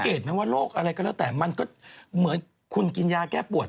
รู้มั้ยว่าโรคอะไรก็แล้วแต่มันก็เหมือนคุณกินยาแก้เปลี่ยนปวด